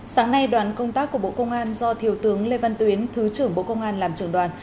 sáng nay đoàn công tác của bộ công an do thiều tướng lê văn tuyến thứ trưởng bộ công an làm trưởng đoàn